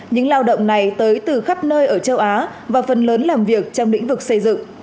những lao động này tới từ khắp nơi ở châu á và phần lớn làm việc trong lĩnh vực xây dựng